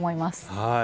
はい。